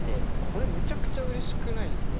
これめちゃくちゃうれしくないですか？